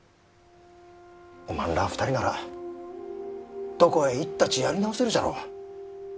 おまんらあ２人ならどこへ行ったちやり直せるじゃろう。